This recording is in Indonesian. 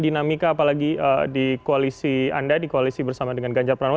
terima kasih pak sekjen dinamika apalagi di koalisi anda di koalisi bersama dengan ganjar pranowo